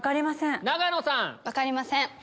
分かりません。